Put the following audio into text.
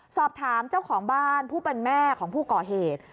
สอบถามเจ้าของบ้านผู้เป็นแม่ของผู้ก่อเหตุ